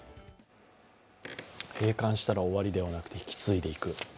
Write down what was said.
閉館したら終わりではなく、引き継いでいく。